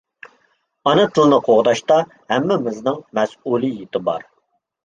ئانا تىلنى قوغداشتا ھەممىمىزنىڭ مەسئۇلىيىتى بار.